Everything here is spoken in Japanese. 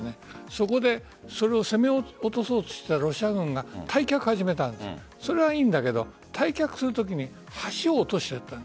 そこで攻め落とそうとしたらロシア軍が退却し始めそれはいいんだけど退却するときに橋を落としちゃった。